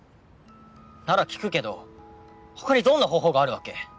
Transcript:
なら聞くけど他にどんな方法があるわけ？